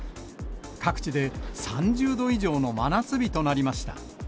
各地で３０度以上の真夏日となりました。